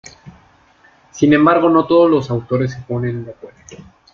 Sin embargo, no todos los autores se ponen de acuerdo.